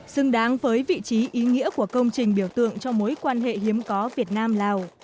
xứng đáng với vị trí ý nghĩa của công trình biểu tượng cho mối quan hệ hiếm có việt nam lào